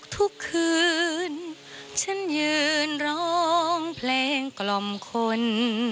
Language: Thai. ทุกคืนฉันยืนร้องเพลงกล่อมคน